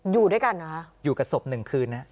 อยู่ด้วยกันเหรอคะอยู่กับศพหนึ่งคืนนะ